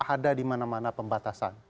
ada dimana mana pembatasan